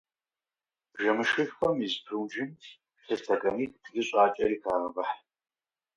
Бжэмышхышхуэм из прунжым псы стэканих-блы щӏакӏэри, хагъэвыхь.